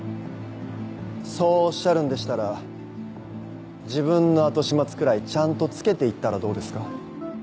そうおっしゃるんでしたら自分の後始末くらいちゃんとつけて行ったらどうですか？